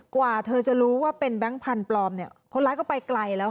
กว่าเธอจะรู้ว่าเป็นแบงค์พันธุ์ปลอมเนี่ยคนร้ายก็ไปไกลแล้ว